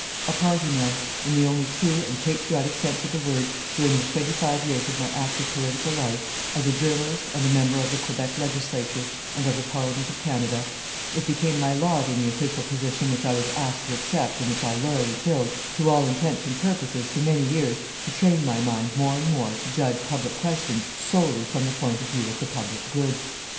A party man, in the only true and patriotic sense of the word, during the twenty five years of my active political life, as a journalist and a member of the Quebec Legislature and of the Parliament of Canada, it became my lot in the official position which I was asked to accept and which I loyally filled, to all intents and purposes, for many years, to train my mind more and more to judge public questions solely from the point of view of the public good.